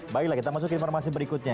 baiklah kita masuk ke informasi berikutnya